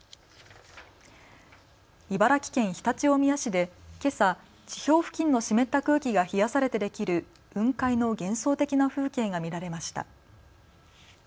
茨城県常陸大宮市でけさ、地表付近の湿った空気が冷やされてできる雲海の幻想的な風景が見られました。